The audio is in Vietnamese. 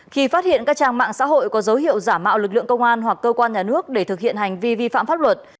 khi phát hiện các trang mạng xã hội có dấu hiệu giả mạo lực lượng công an hoặc cơ quan nhà nước để thực hiện hành vi vi phạm pháp luật